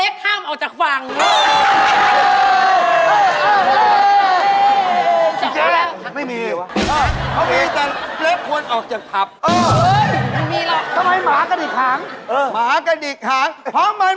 บ่โฮเจ้าชั้ย